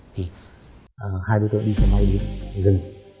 thì hai đối tượng đi xe máy điện dừng